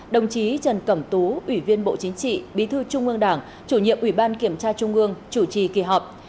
đồng chí trần cẩm tú ủy viên bộ chính trị bí thư trung ương đảng chủ nhiệm ủy ban kiểm tra trung ương chủ trì kỳ họp